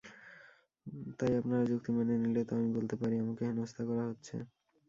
তাই আপনার যুক্তি মেনে নিলে তো আমি বলতে পারি আমাকে হেনস্থা করা হচ্ছে।